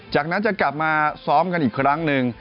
จากนั้นจะกลับมาซ้อมกันอีกครั้งหนึ่ง